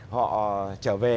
họ trở về